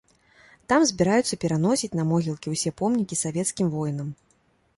Там збіраюцца пераносіць на могілкі ўсе помнікі савецкім воінам.